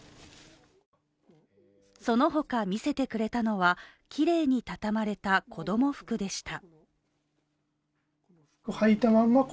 そのほか、見せてくれたのはきれいにたたまれた子供服でした。